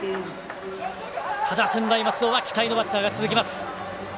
ただ、専大松戸期待のバッターが続きます。